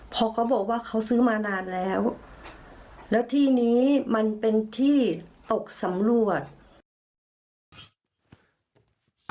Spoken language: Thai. พอเขาบอกว่าเขาซื้อมานานแล้วแล้วที่นี้มันเป็นที่ตกสำรวจ